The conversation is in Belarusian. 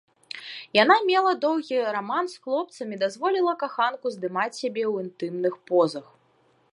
Яна мела доўгі раман з хлопцам і дазволіла каханку здымаць сябе ў інтымных позах.